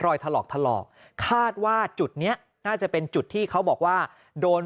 ถลอกถลอกคาดว่าจุดนี้น่าจะเป็นจุดที่เขาบอกว่าโดน